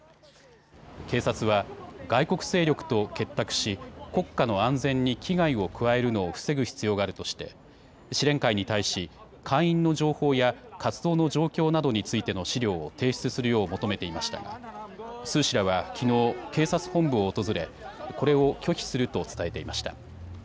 警察は外国勢力と結託し国家の安全に危害を加えるのを防ぐ必要があるとして支連会に対し、会員の情報や活動の状況などについての資料を提出するよう求めていましたが鄒氏らはきのう警察本部を訪れこれを拒否すると伝えていました。